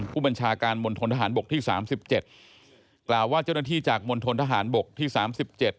ผู้บัญชาการมณฑนทหารบกที่สามสิบเจ็ดกล่าวว่าเจ้าหน้าที่จากมณฑนทหารบกที่สามสิบเจ็ด